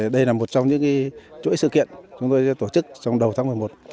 đây là một trong những chuỗi sự kiện chúng tôi sẽ tổ chức trong đầu tháng một mươi một